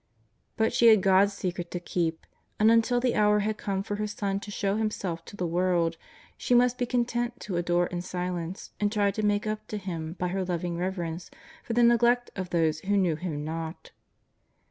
But she had God's secret to keep, and until the hour had come for her Son to show Himself to the world she must be content to adore in silence and try to make up to Him by her lov ing reverence for the neglect of those who knew Him not.